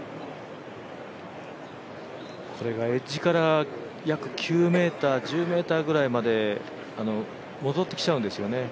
これがエッジから約９ｍ、１０ｍぐらいまで戻ってきちゃうんですよね。